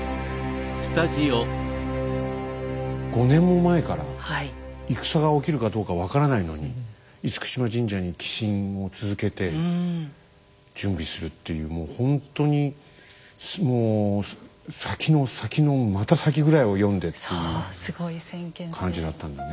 ５年も前から戦が起きるかどうか分からないのに嚴島神社に寄進を続けて準備するっていうもうほんとにもう先の先のまた先ぐらいを読んでっていう感じだったんだね。